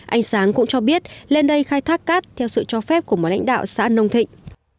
anh sáng cũng cho biết lên đây khai thác cát theo sự cho phép của một lãnh đạo xã nông thịnh